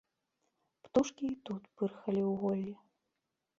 Птушкі і тут пырхалі ў голлі.